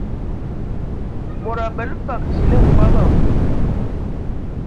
Mod abələ fəg fili nkɔbɔ.